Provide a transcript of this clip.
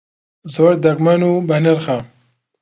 زۆر دەگمەن و بەنرخە.